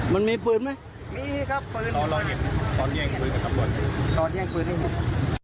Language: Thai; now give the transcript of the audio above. มันมีปืนไหมมีครับตอนเงี่ยงปืนกับกรรมบริษัท